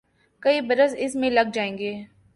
کئی برس اس میں لگ جائیں گے۔